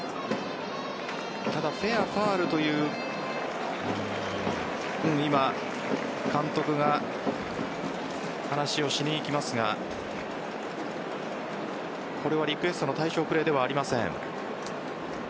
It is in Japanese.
ただ、フェア、ファウルという今、監督が話をしに行きますがこれはリクエストの対象プレーではありません。